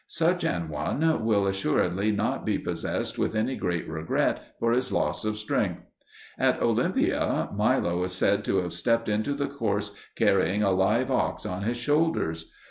Such an one will assuredly not be possessed with any great regret for his loss of strength. At Olympia Milo is said to have stepped into the course carrying a live ox on his shoulders.